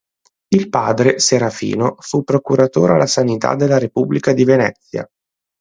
Il padre, Serafino, fu procuratore alla Sanità della Repubblica di Venezia.